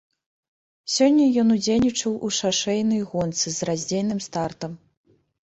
Сёння ён удзельнічаў у шашэйнай гонцы з раздзельным стартам.